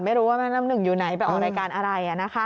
ไม่รู้ว่าแม่น้ำหนึ่งอยู่ไหนไปออกรายการอะไร